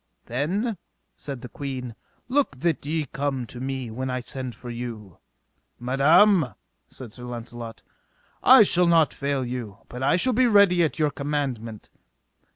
Then, said the queen, look that ye come to me when I send for you. Madam, said Launcelot, I shall not fail you, but I shall be ready at your commandment.